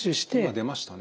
今出ましたね。